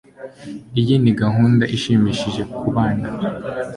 Iyi ni gahunda ishimishije kubana.